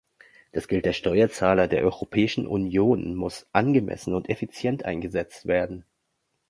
Das Geld der Steuerzahler der Europäischen Union muss angemessen und effizient eingesetzt werden.